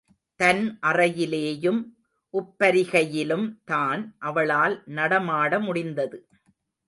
தன் அறையிலேயும், உப்பரிகையிலும்தான் அவளால் நடமாட முடிந்தது.